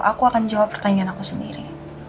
aku akan jawab pertanyaan aku sendiri